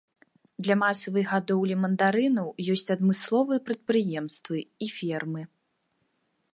Для масавай гадоўлі мандарынаў ёсць адмысловыя прадпрыемствы і фермы.